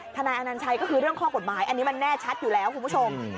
นายอนัญชัยก็คือเรื่องข้อกฎหมายอันนี้มันแน่ชัดอยู่แล้วคุณผู้ชม